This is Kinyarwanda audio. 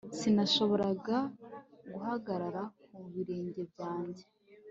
sinashoboraga guhagarara ku birenge byanjye